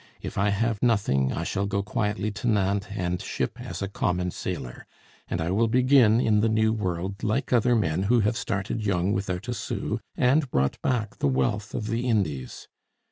If I have nothing, I shall go quietly to Nantes and ship as a common sailor; and I will begin in the new world like other men who have started young without a sou and brought back the wealth of the Indies.